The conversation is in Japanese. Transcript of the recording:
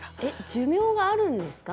寿命があるんですか？